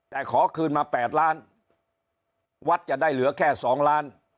แต่ขอคืนมา๘ล้านวัดจะได้เหลือแค่๒ล้าน